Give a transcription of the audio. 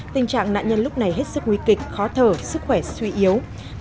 tình trạng nạn nhân lúc này hết sức nguy kịch khó thở sức khỏe suy yếu